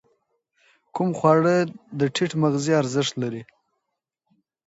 کوم خواړه د ټیټ مغذي ارزښت لري؟